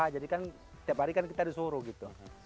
jadi kan tiap hari kan kita disuruh gitu